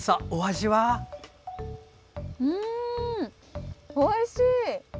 うん、おいしい！